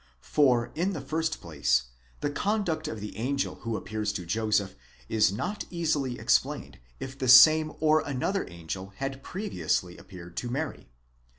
For, in the first place, the conduct of the angel who appears to Joseph is not easily explained, if the same or another angel had previously appeared to Mary.